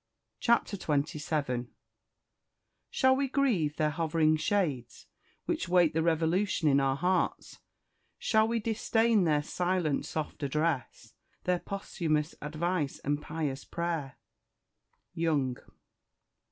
CHAPTER XXVII "Shall we grieve their hovering shades, Which wait the revolution in our hearts? Shall we disdain their silent, soft address; Their posthumous advice and pious prayer?" YOUNG.